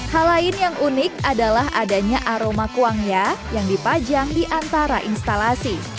hal lain yang unik adalah adanya aroma kuangya yang dipajang di antara instalasi